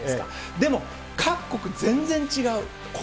でも、各国、全然違う。